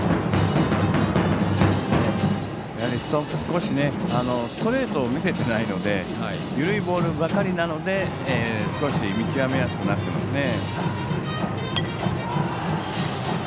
ストレートを見せていないので緩いボールばかりなので見極めやすくなってますね。